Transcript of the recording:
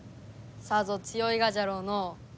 さぞ強いがじゃろうのう？